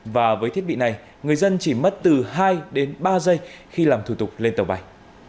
và với thiết bị này người dân chỉ mất từ hai đến ba giây khi làm thủ tục lên tàu bay